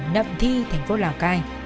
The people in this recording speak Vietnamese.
nậm thi thành phố lào cai